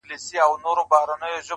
ما خو ستا څخه څو ځله اورېدلي-